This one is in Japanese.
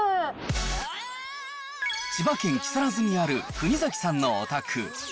千葉県木更津にある国崎さんのお宅。